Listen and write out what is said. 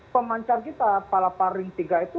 pemancar kita palapa ring tiga itu